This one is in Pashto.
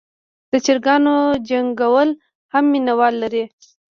د چرګانو جنګول هم مینه وال لري.